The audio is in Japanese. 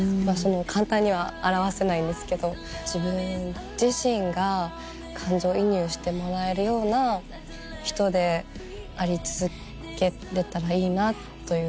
簡単には表せないんですけど自分自身が感情移入してもらえるような人であり続けられたらいいなという。